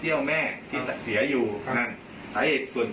เอิ้เขาเข้าใจแบบนั้น